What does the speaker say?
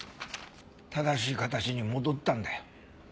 正しい形に戻ったんだよ。